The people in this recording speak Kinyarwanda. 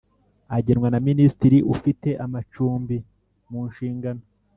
agenwa na Minisitiri ufite amacumbi munshingano